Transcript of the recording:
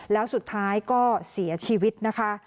แล้วสุดท้ายก็เสียชีวิตนะคะ